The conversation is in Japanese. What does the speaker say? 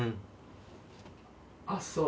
あっそう。